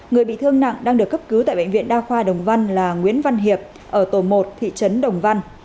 người bị thương nặng đang được cấp cứu tại bệnh viện đa khoa đồng văn là nguyễn văn hiệp ở tổ một thị trấn đồng văn